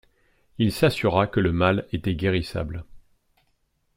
Il s'assura que le mal était guérissable.